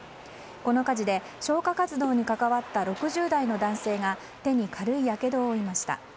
この火事で消火活動に関わった６０代の男性が手に軽いやけどを負いました。